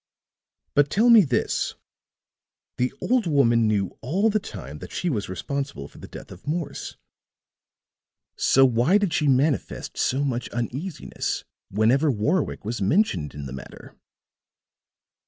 But tell me this: The old woman knew all the time that she was responsible for the death of Morse; so why did she manifest so much uneasiness whenever Warwick was mentioned in the matter?"